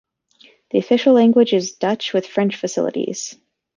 The official language is Dutch with French facilities.